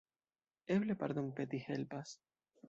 Eble pardonpeti helpas.